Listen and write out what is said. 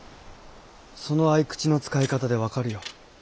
その匕首の使い方で分かるよ。